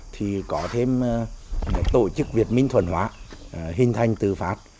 thì có thêm tổ chức việt minh thuần hóa hình thành từ pháp